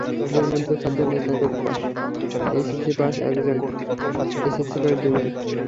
এঁদের মধ্যে চারজন স্নাতক পাস, এইচএসসি পাস একজন, এসএসসি পাস দুজন।